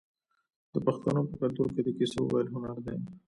د پښتنو په کلتور کې د کیسو ویل هنر دی.